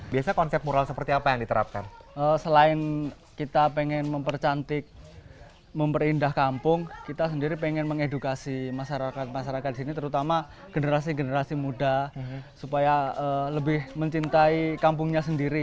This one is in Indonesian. biasanya konsep moral seperti apa yang diterapkan selain kita pengen memperindah kampung kita sendiri pengen mengedukasi masyarakat masyarakat di sini terutama generasi generasi muda supaya lebih mencintai kampungnya sendiri